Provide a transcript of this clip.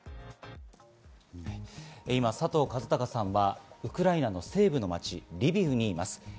今、佐藤和孝さんはウクライナの西部の街、リビウにいます。